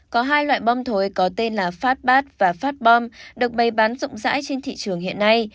có hai loại bom thối có tên là phát bát và phát bom được bày bán rộng rãi trên thị trường hiện nay